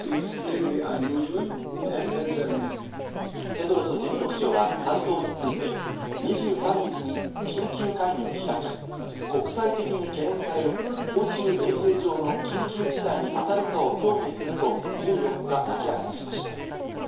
テドロス事務局長はサル痘について、２３日に緊急会議を開き、国際的に懸念される公衆衛生上の緊急事態に当たるかを協議すると、１４日明らかにしました。